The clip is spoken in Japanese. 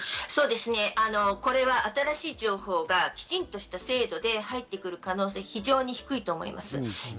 これは新しい情報がきちんとした精度で入ってくる可能性は非常に低いと思います。